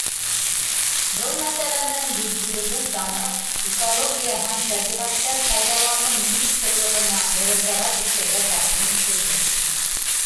Был мәсьәләнең етдилеген танып, Экология һәм тәбиғәттән файҙаланыу министрлығына мөрәжәғәт итергә тәҡдим ителде.